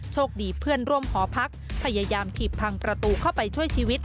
โชคดีเพื่อนร่วมหอพักพยายามถีบพังประตูเข้าไปช่วยชีวิต